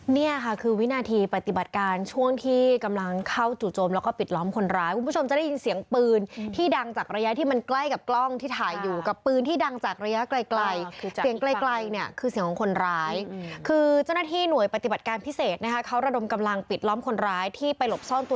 เนี่ยค่ะคือวินาทีปฏิบัติการช่วงที่กำลังเข้าจู่โจมแล้วก็ปิดล้อมคนร้ายคุณผู้ชมจะได้ยินเสียงปืนที่ดังจากระยะที่มันใกล้กับกล้องที่ถ่ายอยู่กับปืนที่ดังจากระยะไกลไกลเสียงไกลไกลเนี่ยคือเสียงของคนร้ายคือเจ้าหน้าที่หน่วยปฏิบัติการพิเศษนะคะเขาระดมกำลังปิดล้อมคนร้ายที่ไปหลบซ่อนตัว